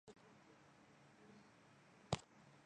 但是在中国的农历是以黑月做为一个月的开始。